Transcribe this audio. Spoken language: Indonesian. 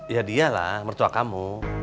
ya dialah mertua kamu